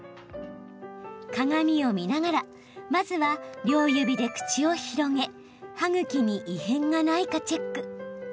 鏡を見ながらまずは、両指で口を広げ歯ぐきに異変がないかチェック。